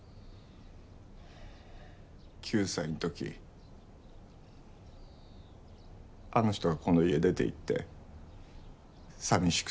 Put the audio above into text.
９歳の時あの人がこの家を出ていって寂しくて。